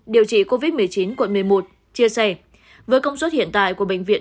điều trị covid một mươi chín quận một mươi một chia sẻ với công suất hiện tại của bệnh viện